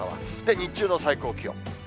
日中の最高気温。